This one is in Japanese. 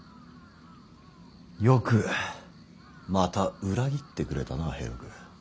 よくまた裏切ってくれたな平六。